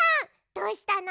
どうしたの？